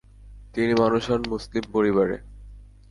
তিনি মানুষ হন মুসলিম পরিবারে।